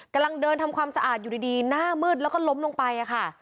กำลังเดินทำความสะอาดอยู่ดีหน้ามืดแล้วก็ล้มลงไปค่ะ